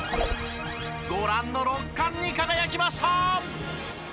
ご覧の６冠に輝きました。